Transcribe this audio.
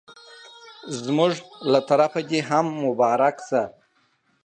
زموږ له طرفه دي هم مبارک سه